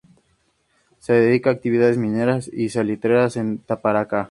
Se dedica a actividades mineras y salitreras en Tarapacá.